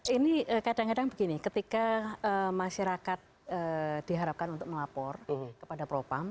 ini kadang kadang begini ketika masyarakat diharapkan untuk melapor kepada propam